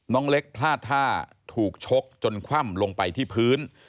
น้องเล็กพลาดท่าถูกชกจนคว่ำลงไปที่พื้น